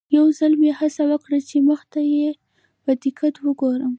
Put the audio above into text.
یو ځل مې هڅه وکړه چې مخ ته یې په دقت وګورم.